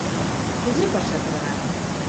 — Кузе пашат вара?